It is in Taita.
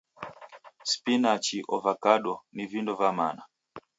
Spinachi, ovakado, ni vindo va mana.